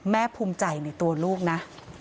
ภูมิใจในตัวลูกนะ